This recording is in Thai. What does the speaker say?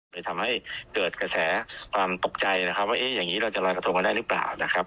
เลยทำให้เกิดกระแสความตกใจนะครับว่าอย่างนี้เราจะลอยกระทงกันได้หรือเปล่านะครับ